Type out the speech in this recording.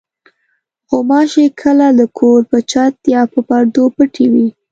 غوماشې کله د کور په چت یا پردو پټې وي.